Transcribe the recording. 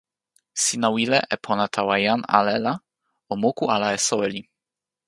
sina wile e pona tawa jan ale la o moku ala e soweli.